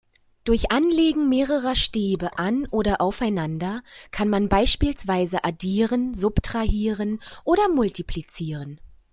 Durch Anlegen mehrerer Stäbe an- oder aufeinander kann man beispielsweise addieren, subtrahieren oder multiplizieren.